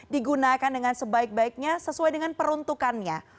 digunakan dengan sebaik baiknya sesuai dengan peruntukannya